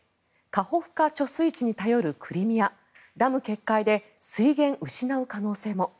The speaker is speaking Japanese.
カホフカ貯水池に頼るクリミアダム決壊で水源失う可能性も。